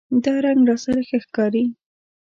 دا رنګ راسره ښه ښکاری